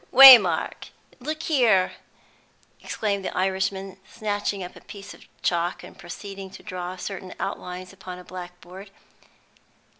"Waymark, look here!" exclaimed the Irishman, snatching up a piece of chalk, and proceeding to draw certain outlines upon a black board.